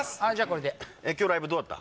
これで今日ライブどうだった？